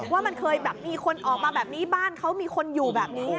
ว่ามันเคยแบบมีคนออกมาแบบนี้บ้านเขามีคนอยู่แบบนี้